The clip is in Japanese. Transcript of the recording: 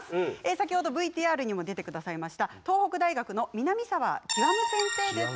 先程、ＶＴＲにも出てくださいました東北大学の南澤究先生です。